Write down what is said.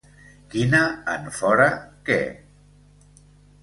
Quina en fora que.